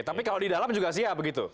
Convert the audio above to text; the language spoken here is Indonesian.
tapi kalau di dalam juga siap begitu